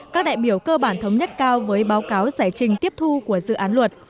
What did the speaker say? các đại biểu cơ bản thống nhất cao với báo cáo giải trình tiếp thu của dự án luật